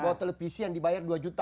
bawa televisi yang dibayar dua juta